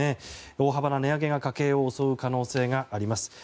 大幅な値上げが家計を襲う可能性があります。